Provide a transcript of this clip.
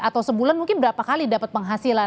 atau sebulan mungkin berapa kali dapat penghasilan